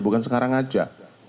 bukan sekarang saja